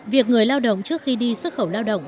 việc người lao động trước khi đi xuất khẩu lao động